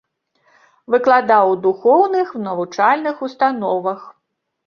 Выкладаў у духоўных навучальных установах.